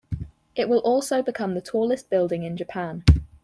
It will also become the tallest building in Japan.